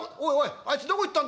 あいつどこ行ったんだ